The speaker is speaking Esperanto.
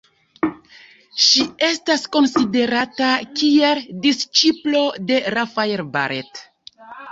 Ŝi estas konsiderata kiel disĉiplo de Rafael Barrett.